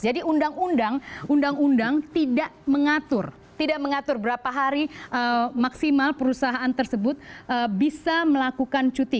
jadi undang undang tidak mengatur berapa hari maksimal perusahaan tersebut bisa melakukan cuti